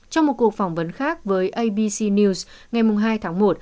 trong một cuộc phỏng vấn khác với abc news ngày hai tháng một